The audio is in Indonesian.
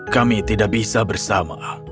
kami tidak bisa bersama